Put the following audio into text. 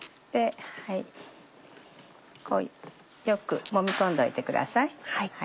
よくもみ込んどいてください。